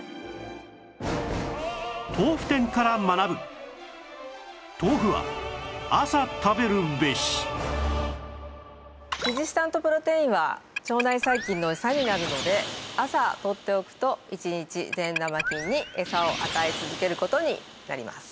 実はレジスタントプロテインは腸内細菌のエサになるので朝とっておくと１日善玉菌にエサを与え続ける事になります。